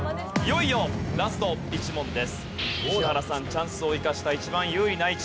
チャンスを生かした一番有利な位置。